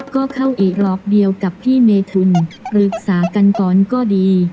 ก็เข้าอีกรอบเดียวกับพี่เมทุนปรึกษากันก่อนก็ดี